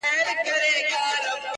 سپی پر خپل مالک د حد له پاسه ګران ؤ،